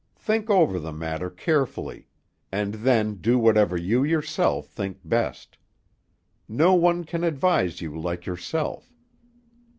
Think over the matter carefully, and then do whatever you yourself think best. No one can advise you like yourself.